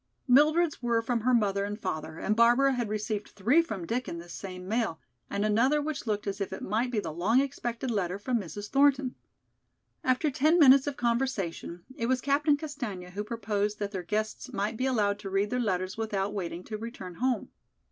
Mildred's were from her mother and father and Barbara had received three from Dick in this same mail, and another which looked as if it might be the long expected letter from Mrs. Thornton. After ten minutes of conversation, it was Captain Castaigne who proposed that their guests might be allowed to read their letters without waiting to return home.